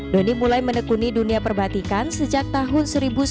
doni mulai menekuni dunia perbatikan sejak tahun seribu sembilan ratus sembilan puluh